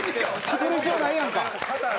作る必要ないやんか。